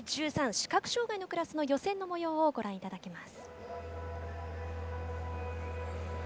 視覚障がいのクラスの予選のもようをご覧いただきます。